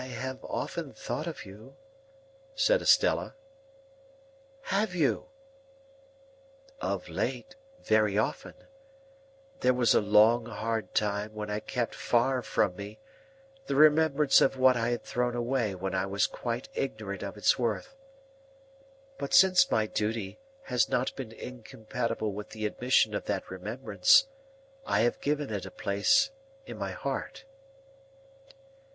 "I have often thought of you," said Estella. "Have you?" "Of late, very often. There was a long hard time when I kept far from me the remembrance of what I had thrown away when I was quite ignorant of its worth. But since my duty has not been incompatible with the admission of that remembrance, I have given it a place in my heart."